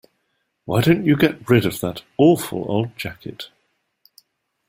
Why don't you get rid of that awful old jacket?